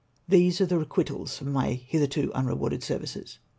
These are the requitals for my " hitherto unrewarded services."